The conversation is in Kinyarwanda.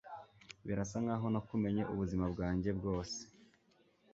Birasa nkaho nakumenye ubuzima bwanjye bwose